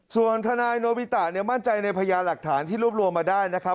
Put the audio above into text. ส่วนทนายโนบิตะเนี่ยมั่นใจในพยานหลักฐานที่รวบรวมมาได้นะครับ